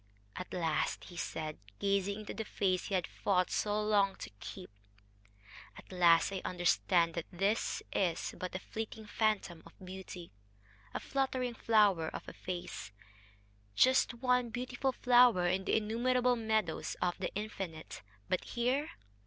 "At last," he said, gazing into the face he had fought so long to keep "at last I understand that this is but a fleeting phantom of beauty, a fluttering flower of a face just one beautiful flower in the innumerable meadows of the Infinite but here...."